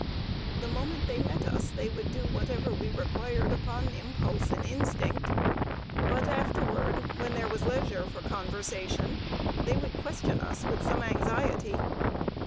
The moment they met us, they would do whatever we required upon impulse and instinct. But afterward, when there was leisure for conversation, they would question us with some anxiety.